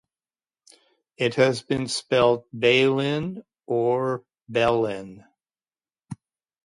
It was then spelt Ballin or Bellin.